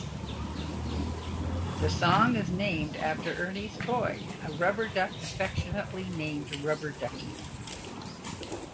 The song is named after Ernie's toy, a rubber duck affectionately named Rubber Duckie.